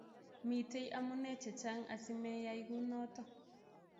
Miten amune chechang asimeyay kunoto